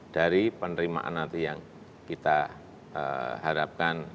dari penerimaan nanti yang kita harapkan